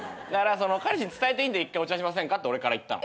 彼氏に伝えていいんで一回お茶しませんかって俺から言ったの。